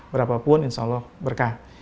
berapapun insya allah berkah